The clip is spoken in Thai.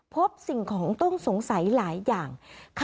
พบสิ่งของต้องสงสัยหลายอย่าง